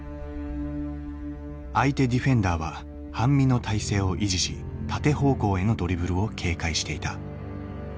相手ディフェンダーは半身の体勢を維持し縦方向へのドリブルを警戒していた。